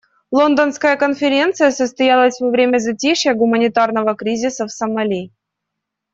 Лондонская конференция состоялась во время затишья гуманитарного кризиса в Сомали.